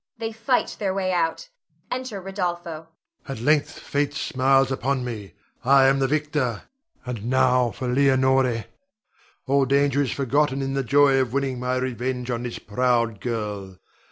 [They fight their way out. Enter Rodolpho. Rod. At length fate smiles upon me. I am the victor, and now for Leonore! All danger is forgotten in the joy of winning my revenge on this proud girl!